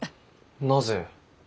なぜ？